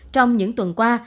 trong những tuần qua